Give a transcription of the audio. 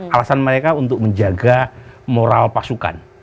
alasan mereka untuk menjaga moral pasukan